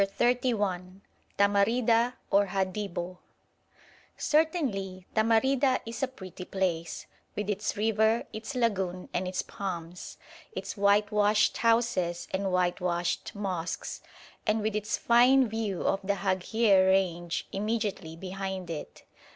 CHAPTER XXXI TAMARIDA OR HADIBO Certainly Tamarida is a pretty place, with its river, its lagoon, and its palms, its whitewashed houses and whitewashed mosques, and with its fine view of the Haghier range immediately behind it.